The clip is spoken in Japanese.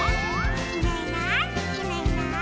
「いないいないいないいない」